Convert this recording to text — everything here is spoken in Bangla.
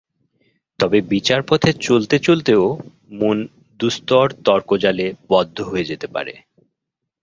তবে বিচারপথে চলতে চলতেও মন দুস্তর তর্কজালে বদ্ধ হয়ে যেতে পারে।